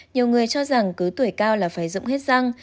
nhiều người cho rằng cứ tuổi cao là phải rộng hết răng